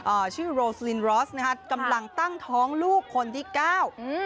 อ่าชื่อนะฮะกำลังตั้งท้องลูกคนที่เก้าอืม